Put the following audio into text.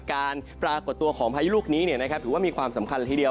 การปรากฏตัวของพายุลูกนี้ถือว่ามีความสำคัญละทีเดียว